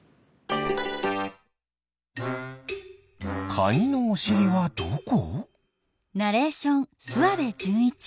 カニのおしりはどこ？